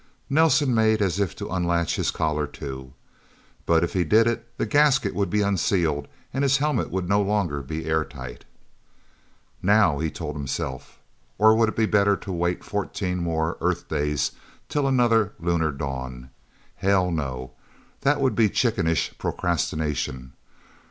Nelsen made as if to unlatch his collar, too. But if he did it, the gasket would be unsealed, and his helmet would no longer be airtight. Now! he told himself. Or would it be better to wait fourteen more Earth days, till another lunar dawn? Hell no that would be chickenish procrastination.